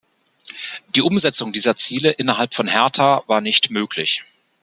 Die Umsetzung dieser Ziele innerhalb von Herta war nicht möglich.